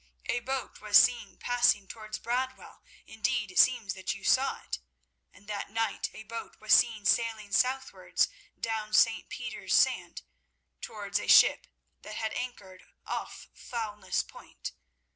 A boat was seen passing towards Bradwell—indeed, it seems that you saw it, and that night a boat was seen sailing southwards down St. Peter's sands towards a ship that had anchored off Foulness Point.